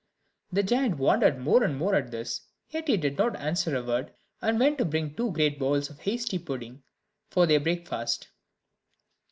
The giant wondered more and more at this; yet he did not answer a word, and went to bring two great bowls of hasty pudding for their breakfast.